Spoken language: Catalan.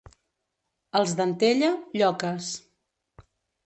Els d'Antella, lloques.